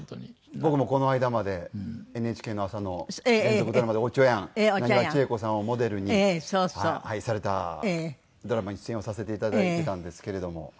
僕もこの間までＮＨＫの朝の連続ドラマで『おちょやん』浪花千栄子さんをモデルに愛されたドラマに出演をさせていただいてたんですけれども。